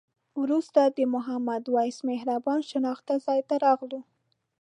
وروسته د محمد وېس مهربان شناخته ځای ته راغلو.